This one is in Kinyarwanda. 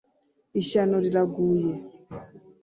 ishyano riraguye